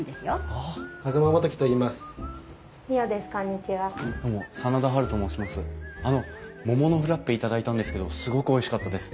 あの桃のフラッペ頂いたんですけどすごくおいしかったです。